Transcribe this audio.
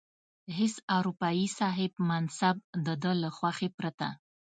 هیڅ اروپايي صاحب منصب د ده له خوښې پرته.